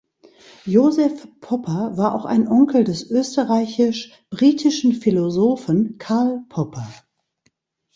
Josef Popper war auch ein Onkel des österreichisch-britischen Philosophen Karl Popper.